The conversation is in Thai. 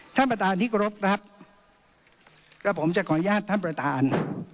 ท่านประตานธิกรกครับแล้วผมจะขออนุญาตท่านประตาน